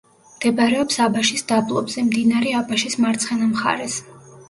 მდებარეობს აბაშის დაბლობზე, მდინარე აბაშის მარცხენა მხარეს.